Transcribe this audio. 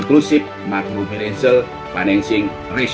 rasio makrobudensial yang inklusif